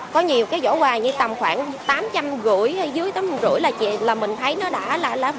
có nhiều cái giỏ quà như tầm khoảng tám trăm rưỡi hay dưới tám trăm rưỡi là mình thấy nó đã là vừa túi tiền